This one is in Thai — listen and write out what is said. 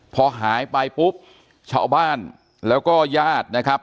พอหายไปปุ๊บชาวบ้านแล้วก็ญาตินะครับ